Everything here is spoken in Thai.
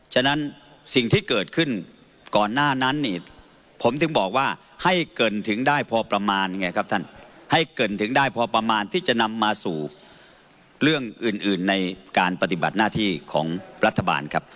ฉะนั้นสิ่งที่เกิดขึ้นก่อนหน้านั้นผมถึงบอกว่าให้เกินถึงได้พอประมาณที่จะนำมาสู่เรื่องอื่นในการปฏิบัติหน้าที่ของรัฐบาลครับ